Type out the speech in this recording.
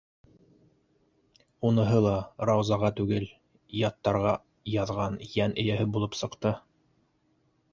Уныһы ла Раузаға түгел, аттарға яҙған йән эйәһе булып сыҡты...